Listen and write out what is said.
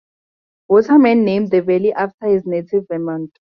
Waterman named the valley after his native Vermont.